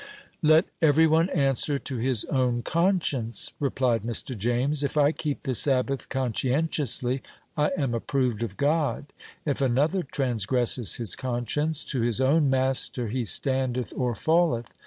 "Let every one answer to his own conscience," replied Mr. James. "If I keep the Sabbath conscientiously, I am approved of God; if another transgresses his conscience, 'to his own master he standeth or falleth.'